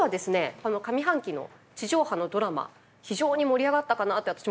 この上半期の地上波のドラマ非常に盛り上がったかなって私も個人的にもすごく。